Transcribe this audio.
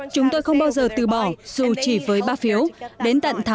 chúng tôi không bao giờ từ bỏ dù chỉ với bác phiếu đến tận tháng một mươi một cuộc bỏ phiếu thực sự